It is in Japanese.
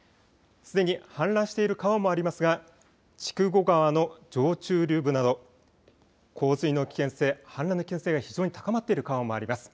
すでに氾濫している川もありますが筑後川の上中流部など洪水の危険性、氾濫の危険性が非常に高まっている川もあります。